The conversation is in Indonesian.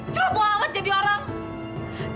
ceroboh amat jadi orang